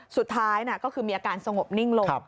สุดท้ายก็คือมีอาการสงบนิ่งลง